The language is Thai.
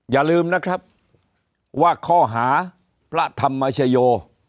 อย่าลืมนะครับว่าข้อหาพระธรรมชโย